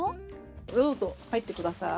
どうぞ、入ってください。